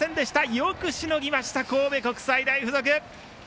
よくしのぎました神戸国際大付属。